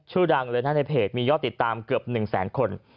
ชื่อดังเลยนะในเพจมียอดติดตามเกือบ๑แสนคน